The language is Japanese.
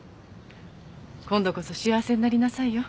今度こそ幸せになりなさいよ。